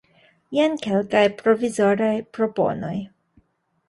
Jen kelkaj provizoraj proponoj.